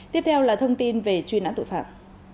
tiếp theo là thông tin về chuyên án tội phạm